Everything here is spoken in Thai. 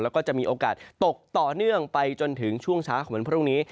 แล้วก็จะมีโอกาสตกต่อเนื่องไปจนถึงช่วงเช้าของวันพรุ่งนี้